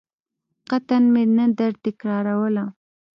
قطعاً مې نه درتکراروله.